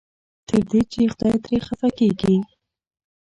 تر دې چې خدای ترې خفه کېږي.